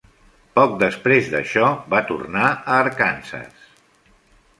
Poc després d'això, va tornar a Arkansas.